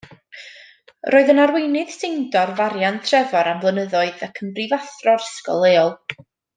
Roedd yn arweinydd Seindorf Arian Trefor am flynyddoedd ac yn brifathro'r ysgol leol.